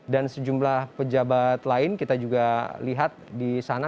dan sejumlah pejabat lain kita juga lihat di sana